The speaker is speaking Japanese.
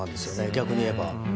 逆に言えば。